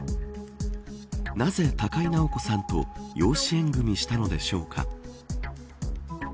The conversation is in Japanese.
なぜ、高井直子さんと養子縁組したのでしょうか。